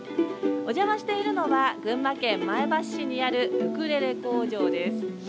お邪魔しているのは群馬県前橋市にあるウクレレ工場です。